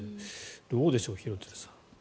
どうでしょう、廣津留さん。